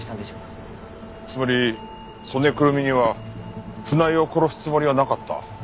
つまり曽根くるみには船井を殺すつもりはなかった。